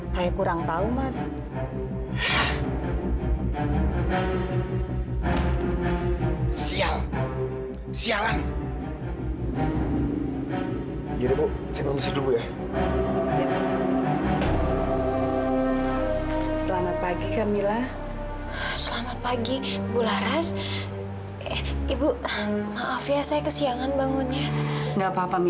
sial banget sih gua